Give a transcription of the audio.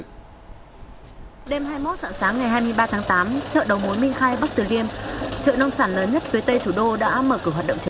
sáng ngày hai mươi ba tháng tám chợ đầu mối minh khai bắc tử liêm chợ nông sản lớn nhất phía tây thủ đô